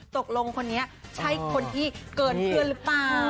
ตกลงคนนี้ใช่คนที่เกินเพื่อนหรือเปล่า